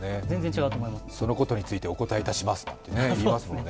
そのことについてお答えします」なんて言いますもんね。